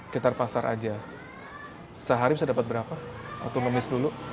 kita pasar aja sehari bisa dapat berapa atau ngemis dulu